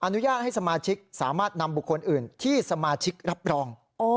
อนุญาตให้สมาชิกสามารถนำบุคคลอื่นที่สมาชิกรับรอง